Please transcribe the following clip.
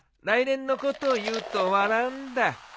来年のことを言うと笑うんだ。